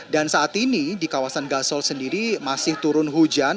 dan saat ini di kawasan gasol sendiri masih turun hujan